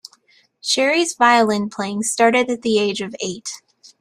Sherry's violin playing started at the age of eight.